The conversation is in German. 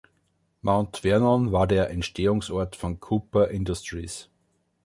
Mount Vernon war der Entstehungssort von Cooper Industries.